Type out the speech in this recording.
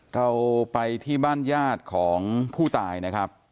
เราไปที่บ้านญาติของผู้ตายนะครับ